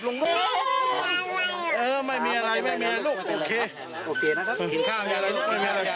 เย็นเย็นเออไม่มีอะไรไม่มีอะไรลูกโอเคโอเคนะครับ